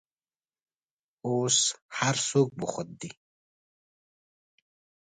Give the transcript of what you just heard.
اوس هر څوک بوخت دي.